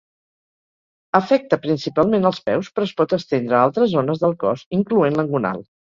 Afecta principalment els peus però es pot estendre a altres zones del cos incloent l'engonal.